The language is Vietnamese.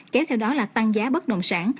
kéo theo đó là tăng giá bất động sản